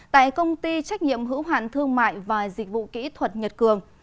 tại công ty trách nhiệm hữu hạn thương mại và dịch vụ kỹ thuật nhật cường